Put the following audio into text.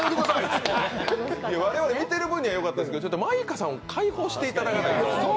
我々、見てる分にはよかったけど、舞香さんを解放してもらわないと。